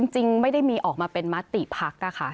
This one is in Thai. จริงไม่ได้มีออกมาเป็นมติพักนะคะ